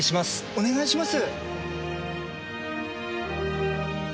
お願いします。